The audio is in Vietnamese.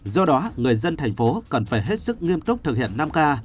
do đó người dân thành phố cần phải hết sức nghiêm túc thực hiện năm k